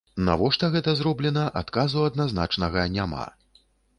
Навошта гэта зроблена, адказу адназначнага няма.